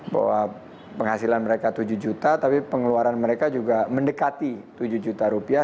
bahwa penghasilan mereka tujuh juta tapi pengeluaran mereka juga mendekati tujuh juta rupiah